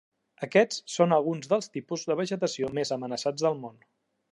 Aquests són alguns dels tipus de vegetació més amenaçats del món.